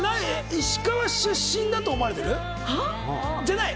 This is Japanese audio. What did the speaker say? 石川出身だと思われてる？じゃない？